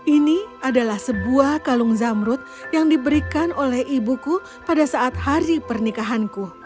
ini adalah sebuah kalung zamrut yang diberikan oleh ibuku pada saat hari pernikahanku